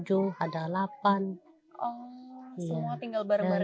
oh semua tinggal bareng bareng di sini